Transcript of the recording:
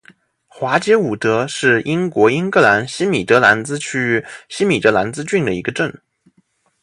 华捷伍德是英国英格兰西米德兰兹区域西米德兰兹郡的一个镇。